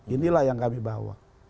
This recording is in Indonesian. inilah yang kami bawa